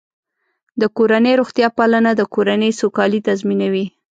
د کورنۍ روغتیا پالنه د کورنۍ سوکالي تضمینوي.